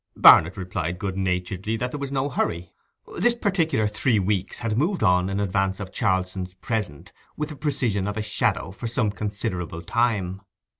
Barnet replied good naturedly that there was no hurry. This particular three weeks had moved on in advance of Charlson's present with the precision of a shadow for some considerable time.